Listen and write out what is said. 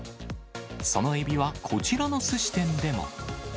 そのエビはこちらのすし店でも。